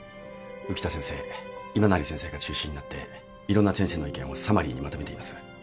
浮田先生今成先生が中心になっていろんな先生の意見をサマリーにまとめています。